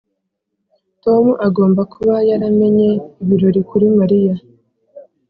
tom agomba kuba yaramenye ibirori kuri mariya.